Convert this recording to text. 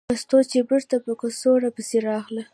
مستو چې بېرته په کڅوړه پسې راغله.